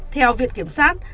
theo viện kiểm sát